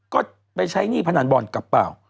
ก็ไปใช้หนี้พนันบอลกับเปล่า